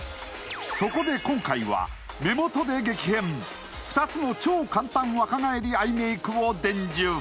そこで今回は目元で激変２つの超簡単若返りアイメイクを伝授